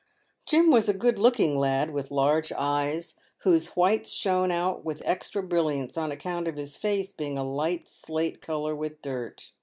Jim was a good looking lad, with large eyes, whose whites shone out with extra brilliance on account of his face being a light slate colour with dirt.